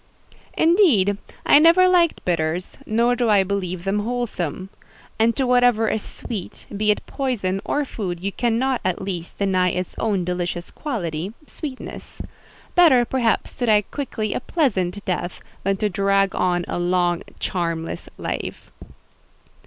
"Indeed, I never liked bitters; nor do I believe them wholesome. And to whatever is sweet, be it poison or food, you cannot, at least, deny its own delicious quality—sweetness. Better, perhaps, to die quickly a pleasant death, than drag on long a charmless life."